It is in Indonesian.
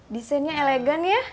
disenya elegan ya